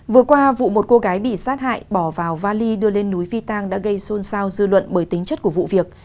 vừa qua vụ một cô gái bị sát hại bỏ vào vali đưa lên núi phi tang đã gây xôn xao dư luận bởi tính chất của vụ việc